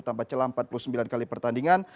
tanpa celah empat puluh sembilan kali pertandingan